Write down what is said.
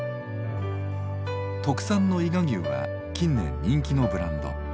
特産の伊賀牛は近年人気のブランド。